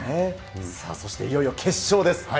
さあそして、いよいよ決勝です。